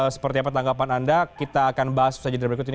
seperti apa tanggapan anda kita akan bahas usaha jadwal berikut ini